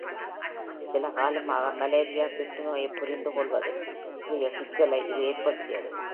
சில காலமாக மலேரியா தொற்றுநோயைப் புரிந்து கொள்வதில் சிறிய சிக்கலை இது ஏற்படுத்தியது.